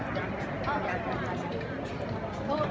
มันเป็นสิ่งที่จะให้ทุกคนรู้สึกว่า